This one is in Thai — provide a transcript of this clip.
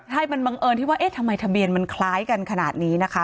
ใช่มันบังเอิญที่ว่าเอ๊ะทำไมทะเบียนมันคล้ายกันขนาดนี้นะคะ